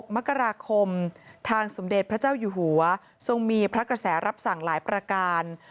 มกราคมทางสมเด็จพระเจ้าอยู่หัวทรงมีพระกระแสรับสั่งหลายประการ